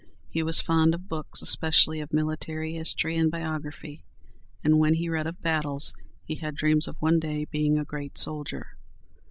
He was fond of books, especially of military history and biography; and when he read of battles, he had dreams of one day being a great soldier.